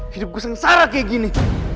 hidup gue sengsara kayak gini